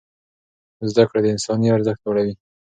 زده کړه د انسان ارزښت لوړوي.